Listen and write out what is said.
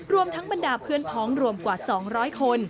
รวมทั้งบรรดาเพื่อนพ้องรวมกว่า๒๐๐คน